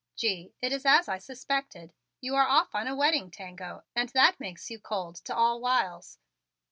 Gee, it is as I suspected. You are off on a wedding tango and that makes you cold to all wiles!